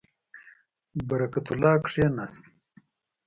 برکت الله کښېنست.